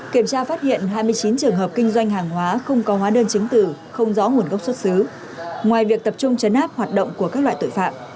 kiểm tra phát hiện hai mươi chín trường hợp kinh doanh hàng hóa không có hóa đơn chứng từ không rõ nguồn gốc xuất xứ ngoài việc tập trung chấn áp hoạt động của các loại tội phạm